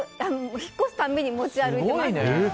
引っ越すたびに持ち歩いていますね。